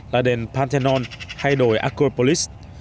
là đèn panthenon hay đồi acropolis